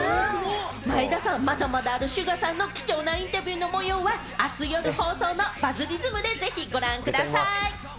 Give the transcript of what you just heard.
前田さん、まだまだあるＳＵＧＡさんの貴重なインタビューの模様は、あす夜放送の『バズリズム』でぜひご覧ください。